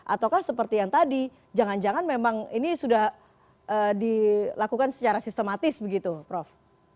ataukah seperti yang tadi jangan jangan memang ini sudah dilakukan secara sistematis begitu prof